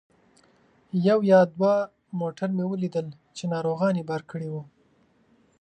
یو یا دوه موټر مې ولیدل چې ناروغان یې بار کړي وو.